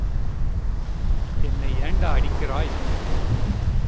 என்னை ஏண்டா அடிக்கிறாய்?